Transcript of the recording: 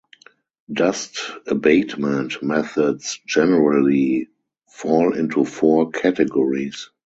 Dust abatement methods generally fall into four categories.